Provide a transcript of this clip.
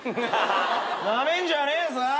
なめんじゃねえぞ。